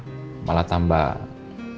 gantem malah tambah